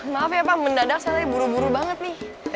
maaf ya pak mendadak soalnya buru buru banget nih